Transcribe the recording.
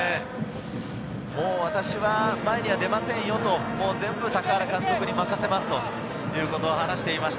私は前には出ませんよ、全部、高原監督に任せますということ話していました。